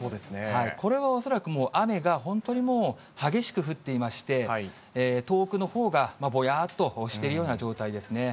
これは恐らく、もう雨が本当にもう激しく降っていまして、遠くのほうがぼやっとしているような状態ですね。